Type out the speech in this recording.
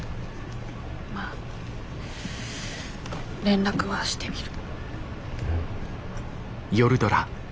まあ連絡はしてみる。